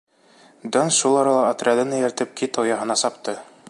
Данс шул арала отрядын эйәртеп Кит Ояһына сапты.